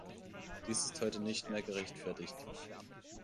Dies ist heute nicht mehr gerechtfertigt.